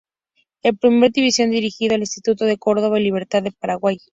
En primera división dirigió a Instituto de Córdoba y Libertad de Paraguay.